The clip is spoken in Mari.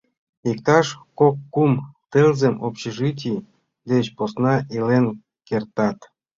— Иктаж кок-кум тылзым общежитий деч посна илен кертат?